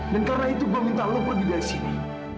dan karena itu gue minta lo pergi dari sini